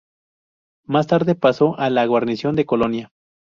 Más tarde pasó a la guarnición de Colonia.